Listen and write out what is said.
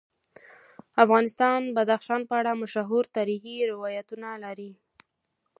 افغانستان د بدخشان په اړه مشهور تاریخی روایتونه لري.